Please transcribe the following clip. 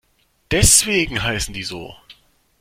Deswegen heißen die so.